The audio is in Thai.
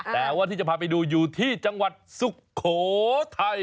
แต่ว่าที่จะพาไปดูอยู่ที่จังหวัดสุโขทัย